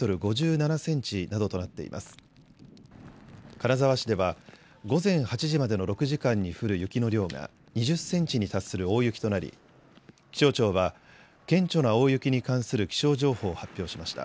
金沢市では午前８時までの６時間に降る雪の量が２０センチに達する大雪となり、気象庁は顕著な大雪に関する気象情報を発表しました。